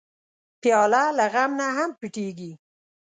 پیاله له غم نه هم پټېږي.